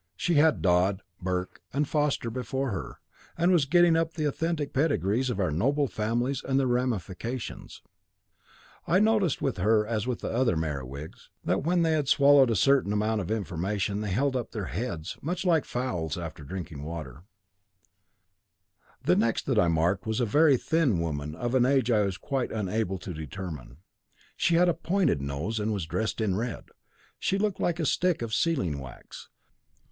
She had Dod, Burke, and Foster before her, and was getting up the authentic pedigrees of our noble families and their ramifications. I noticed with her as with the other Merewigs, that when they had swallowed a certain amount of information they held up their heads much like fowls after drinking. "The next that I marked was a very thin woman of an age I was quite unable to determine. She had a pointed nose, and was dressed in red. She looked like a stick of sealing wax.